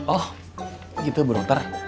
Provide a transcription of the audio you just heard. oh gitu ya bu dokter